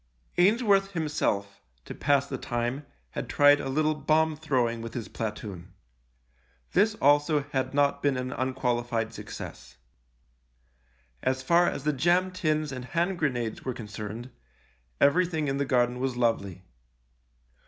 Ainsworth himself, to pass the time, had tried a little bomb throwing with his platoon. This also had not been an unqualified success. As far as the jam tins and hand grenades were concerned, everything in the garden was lovely.